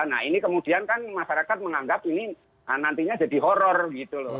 nah ini kemudian kan masyarakat menganggap ini nantinya jadi horror gitu loh